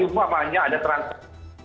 umumannya ada transaksi